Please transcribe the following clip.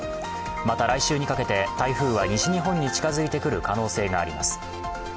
また、来週にかけて台風は西日本に近づいてくる可能性があります。